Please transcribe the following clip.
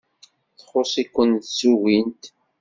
Txuṣṣ-iken tsugint.